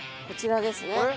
こちらですね。